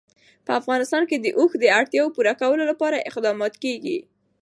په افغانستان کې د اوښ د اړتیاوو پوره کولو لپاره اقدامات کېږي.